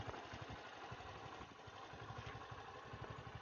পাঁচ হাজার দর্শক ধারণক্ষম মাঠের দুই পাশের গ্যালারিতে তিল ধারণের জায়গা নেই।